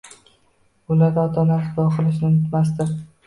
ularda ota-onasini duo qilishni unutmasdi.